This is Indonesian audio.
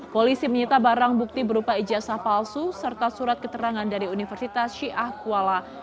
polisi menyita barang bukti berupa ijazah palsu serta surat keterangan dari universitas syiah kuala